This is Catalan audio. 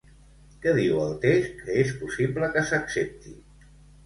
Què diu el text que és possible que s'accepti?